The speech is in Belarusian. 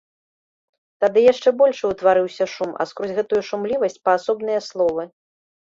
Тады яшчэ большы ўтварыўся шум, а скрозь гэтую шумлівасць паасобныя словы.